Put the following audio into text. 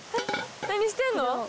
何してんの？